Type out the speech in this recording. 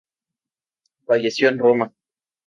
Falleció en Roma.